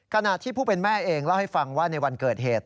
ขณะที่ผู้เป็นแม่เองเล่าให้ฟังว่าในวันเกิดเหตุ